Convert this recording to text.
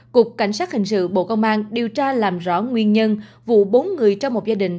cục cảnh sát hình sự bộ công an điều tra làm rõ nguyên nhân vụ bốn người trong một gia đình